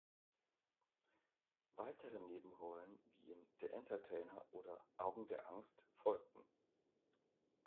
Weitere Nebenrollen wie in "The Entertainer" oder "Augen der Angst" folgten.